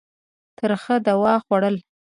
ترخه دوا خوړل.